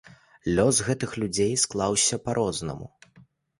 Лёс гэтых людзей склаўся па-рознаму.